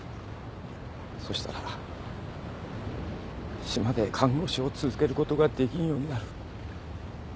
そしたら島で看護師を続けることが出来んようになる。